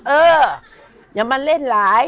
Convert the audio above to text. เอออย่ามาเล่นหลาย